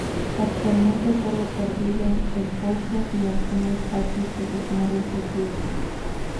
Actualmente sólo perviven el foso y algunas partes de los muros de piedra.